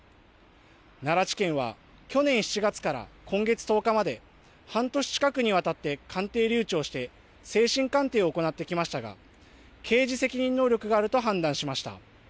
奈良地検は去年７月から今月１０日まで半年近くにわたって鑑定留置をして精神鑑定を行ってきましたが刑事責任能力があると判断しました。